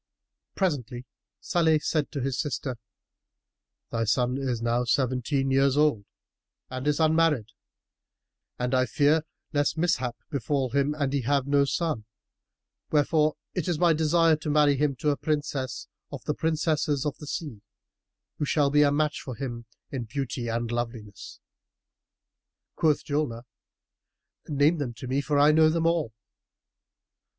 [FN#318] Presently Salih said to his sister, "Thy son is now seventeen years old and is unmarried, and I fear lest mishap befal him and he have no son; wherefore it is my desire to marry him to a Princess of the princesses of the sea, who shall be a match for him in beauty and loveliness." Quoth Julnar, "Name them to me for I know them all."